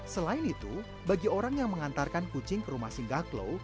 selain itu bagi orang yang mengantarkan kucing ke rumah singgah klo